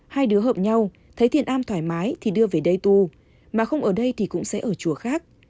hai đứa hợp nhau thấy thiện an thoải mái thì đưa về đây tu mà không ở đây thì cũng sẽ ở chùa khác